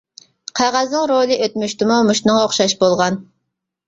قەغەزنىڭ رولى ئۆتمۈشتىمۇ مۇشۇنىڭغا ئوخشاش بولغان.